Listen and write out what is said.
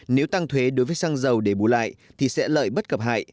nếu tăng thuế đối với xăng dầu để bù lại thì sẽ lợi bất cập hại